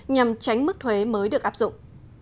nhằm tránh mức thuế mới được áp dụng